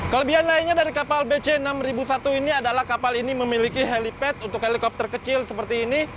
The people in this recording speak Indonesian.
kelebihan lainnya dari kapal bc enam ribu satu ini adalah kapal ini memiliki helipad untuk helikopter kecil seperti ini